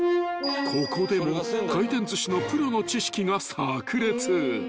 ［ここでも回転寿司のプロの知識が炸裂］